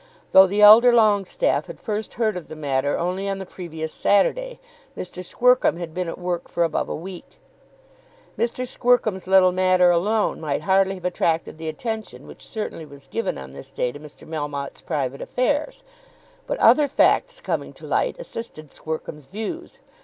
Though the elder Longestaffe had first heard of the matter only on the previous Saturday, Mr. Squercum had been at work for above a week. Mr. Squercum's little matter alone might hardly have attracted the attention which certainly was given on this day to Mr. Melmotte's private affairs; but other facts coming to light assisted Squercum's views.